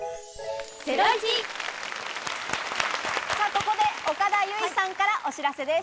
ここで岡田結実さんからお知らせです。